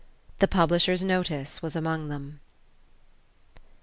The publisher's notice was among them.